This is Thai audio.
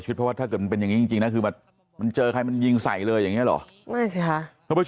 สุดท้ายก็กันแล้ว